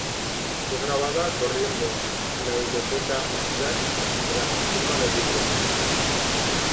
Fue grabada corriendo en la biblioteca Strand tras su firma de libros.